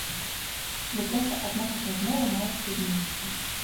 Бо проста ад нашых размоваў мала што зменіцца.